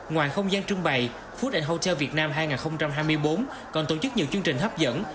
ngoài không gian trưng bày foody hotel việt nam hai nghìn hai mươi bốn còn tổ chức nhiều chương trình hấp dẫn